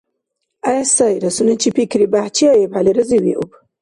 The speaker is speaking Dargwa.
— ГӀе, сайра, — сунечи пикри бяхӀчиаибхӀели, разииуб.